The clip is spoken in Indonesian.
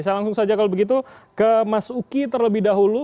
saya langsung saja kalau begitu ke mas uki terlebih dahulu